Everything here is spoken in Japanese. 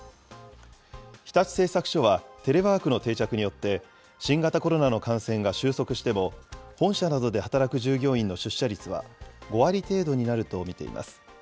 日立製作所は、テレワークの定着によって、新型コロナの感染が終息しても、本社などで働く従業員の出社率は５割程度になると見ています。